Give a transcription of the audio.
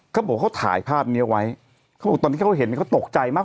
เขาบอกเขาถ่ายภาพนี้ไว้เขาบอกตอนที่เขาเห็นเขาตกใจมาก